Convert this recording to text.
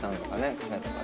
カフェとかね